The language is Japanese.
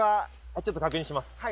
ちょっと確認します。